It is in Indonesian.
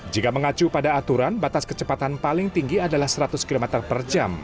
jika mengacu pada aturan batas kecepatan paling tinggi adalah seratus km per jam